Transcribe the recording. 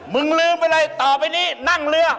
ลืมไปเลยต่อไปนี้นั่งเรือ